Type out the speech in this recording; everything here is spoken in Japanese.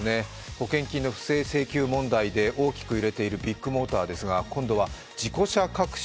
保険金の不正請求問題で大きく揺れているビッグモーターですが今度は事故車隠し。